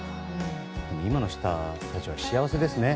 今の人たちは幸せですね。